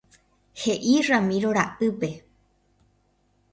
He'i Ramiro ra'ýpe.